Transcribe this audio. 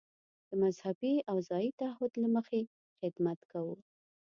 د مذهبي او ځايي تعهد له مخې خدمت کوو.